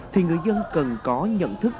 thì người dân cần có nhận thức